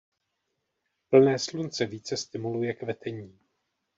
Plné slunce více stimuluje kvetení.